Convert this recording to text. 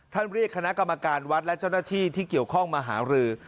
เรียกคณะกรรมการวัดและเจ้าหน้าที่ที่เกี่ยวข้องมาหารือ